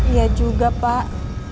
iya juga pak